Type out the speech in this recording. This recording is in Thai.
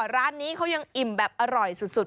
ร้านนี้เขายังอิ่มแบบอร่อยสุด